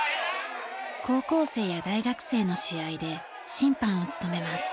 高校生や大学生の試合で審判を務めます。